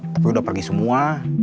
tapi udah pergi semua